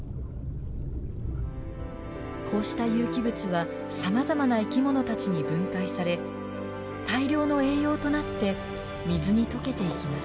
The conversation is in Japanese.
こうした有機物はさまざまな生きものたちに分解され大量の栄養となって水に溶けていきます